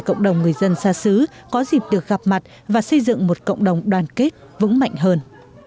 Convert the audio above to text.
cộng đồng người dân xa xứ có dịp được gặp mặt và xây dựng một cộng đồng đoàn kết vững mạnh hơn